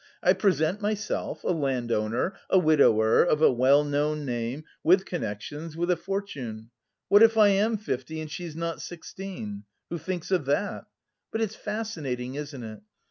I present myself a landowner, a widower, of a well known name, with connections, with a fortune. What if I am fifty and she is not sixteen? Who thinks of that? But it's fascinating, isn't it?